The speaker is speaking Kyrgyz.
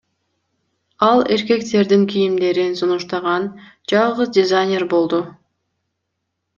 Ал эркектердин кийимдерин сунуштаган жалгыз дизайнер болду.